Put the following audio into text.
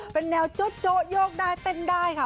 เป็นแนวโจ๊โยกได้เต้นได้ค่ะ